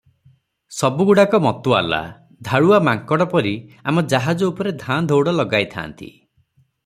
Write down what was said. ସବୁଗୁଡ଼ାକ ମତୁଆଲା, ଧାଡ଼ୁଆ ମାଙ୍କଡ ପରି ଆମ ଜାହାଜ ଉପରେ ଧାଁ ଦଉଡ଼ ଲଗାଇଥାନ୍ତି ।